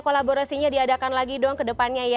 kolaborasinya diadakan lagi dong ke depannya ya